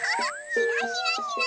ひらひらひら。